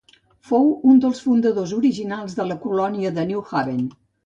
Fou un dels fundadors originals de la colònia de New Haven.